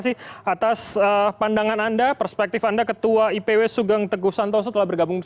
semestinya bisa bicara